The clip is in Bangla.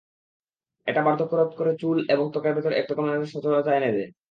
এটা বার্ধক্য রোধ করে চুল এবং ত্বকের ভেতর একরকম সতেজতা এনে দেয়।